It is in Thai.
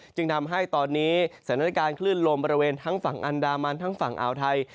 จึงทำให้ตอนนี้สถานการณ์คลื่นลมบริเวณทั้งฝั่งอันดามันทั้งฝั่งอ่าวไทย